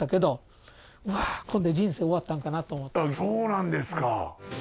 そうなんですか。